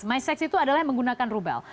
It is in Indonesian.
mysex itu adalah yang menggunakan rubel